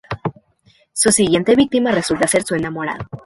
Su siguiente víctima resulta ser su enamorado.